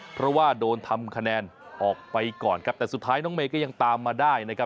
เพราะว่าโดนทำคะแนนออกไปก่อนครับแต่สุดท้ายน้องเมย์ก็ยังตามมาได้นะครับ